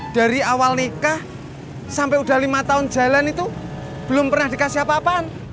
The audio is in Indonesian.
dari awal nikah sampai udah lima tahun jalan itu belum pernah dikasih apa apaan